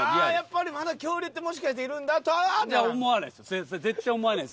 やっぱりまだ恐竜ってもしかしているんだとはならん？